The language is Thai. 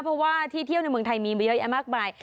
เพราะว่าที่เที่ยวในเมืองไทยมีมาเยอะแยะมากมาย